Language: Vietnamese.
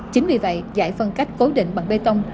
chính vì vậy giải phân cách cố định bằng bê tông